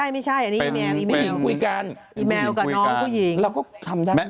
ไม่ใช่อันนี้อีแมวอีแมวกับน้องผู้หญิง